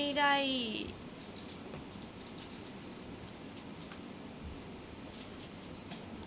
คนรอบตัวขวัดไม่ได้